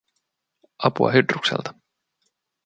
Apua Hydrukselta